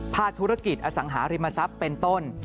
ธุรกิจอสังหาริมทรัพย์เป็นต้น